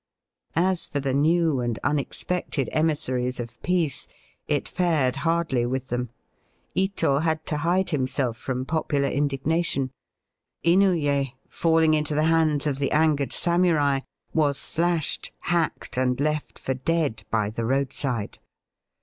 As for the new and unexpected emissaries of peace, it fared hardly with them. Ito had to hide himself from popular indignation ; Inouye, falling into the hands of the angered samurai, was slashed, hacked, and left for dead by the roadside.